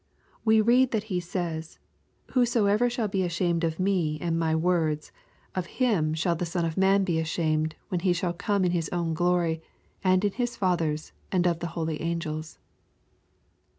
We read that He says —" Whosoever shall be ashamed of Me and My words, of Him shall the Son 312 EXPOSITORY THOUGHTS. of Man be ashamed when He shall come in His own glory, and in His Father's, and of the holy angels."